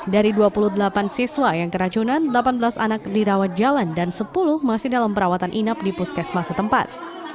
dari dua puluh delapan siswa yang keracunan delapan belas anak dirawat jalan dan sepuluh masih dalam perawatan inap di puskesmasa tempat